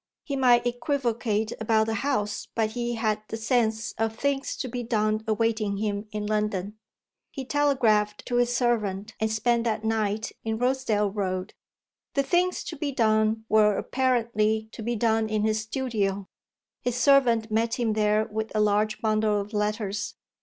He might equivocate about the House, but he had the sense of things to be done awaiting him in London. He telegraphed to his servant and spent that night in Rosedale Road. The things to be done were apparently to be done in his studio: his servant met him there with a large bundle of letters.